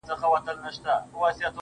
زه لاس په سلام سترگي راواړوه_